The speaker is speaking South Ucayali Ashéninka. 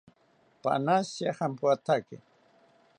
Panashitya jampoathaki